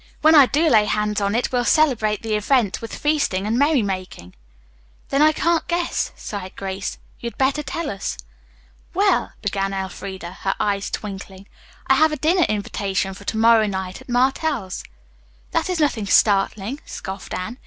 When I do lay hands on it we'll celebrate the event with feasting and merrymaking." "Then I can't guess," sighed Grace. "You'd better tell us." "Well," began Elfreda, her eyes twinkling, "I have a dinner invitation for to morrow night at Martell's." "That is nothing startling," scoffed Anne.